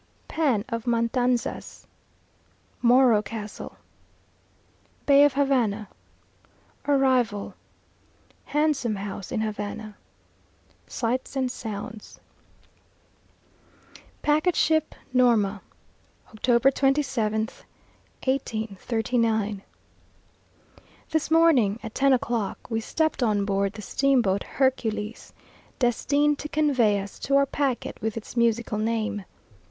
Pan of Matanzas Morro Castle Bay of Havana Arrival Handsome House in Havana Sights and Sounds. PACKET SHIP "NORMA," Oct. 27th, 1839. This morning, at ten o'clock, we stepped on board the steamboat Hercules, destined to convey us to our packet with its musical name.